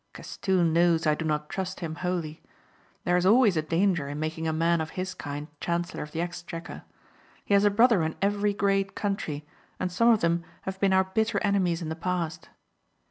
Castoon knows I do not trust him wholly. There is always a danger in making a man of his kind Chancellor of the Exchequer. He has a brother in every great country and some of them have been our bitter enemies in the past.